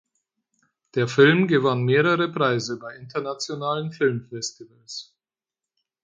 Der Film gewann mehrere Preise bei internationalen Filmfestivals.